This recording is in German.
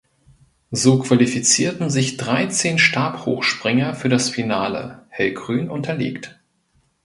So qualifizierten sich dreizehn Stabhochspringer für das Finale (hellgrün unterlegt).